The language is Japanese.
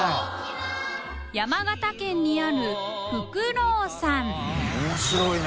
山形県にある「ふくろう」さん面白いね